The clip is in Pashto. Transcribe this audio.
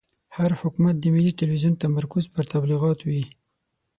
هر حکومت د ملي تلویزون تمرکز پر تبلیغاتو وي.